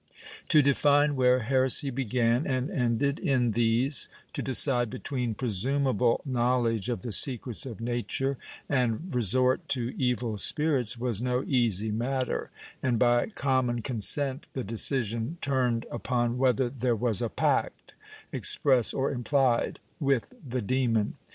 To define where heresy began and ended in these, to decide between presumable knowledge of the secrets of nature and resort to evil spirits, was no easy matter, and by common consent the decision turned upon whether there was a pact, express or implied, with the demon.